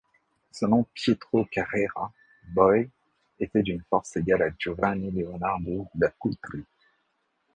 Selon Pietro Carrera, Boï était d'une force égale à Giovanni Leonardo da Cutri.